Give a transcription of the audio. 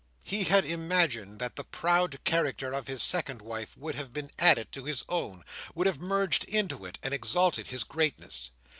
He had imagined that the proud character of his second wife would have been added to his own—would have merged into it, and exalted his greatness.